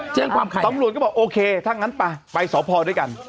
แจ้งความใครตำรวจก็บอกโอเคถ้างั้นป่ะไปสพด้วยกัน